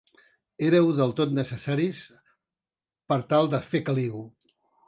Éreu del tot necessaris per tal de fer caliu.